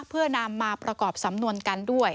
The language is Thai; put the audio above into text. เพื่อนำมาประกอบสำนวนกันด้วย